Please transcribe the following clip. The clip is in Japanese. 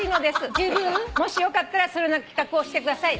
「もしよかったらそのような企画をしてください」